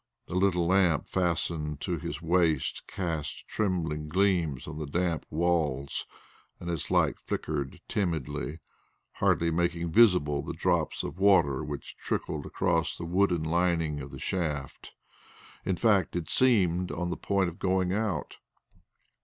The little lamp fastened to his waist cast trembling gleams on the damp walls, and its light flickered timidly, hardly making visible the drops of water which trickled across the wooden lining of the shaft; in fact it seemed on the point of going out.